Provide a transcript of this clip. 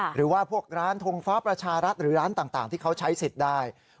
หรือว่าพวกร้านทงฟ้าประชารัฐหรือร้านต่างที่เขาใช้สิทธิ์ได้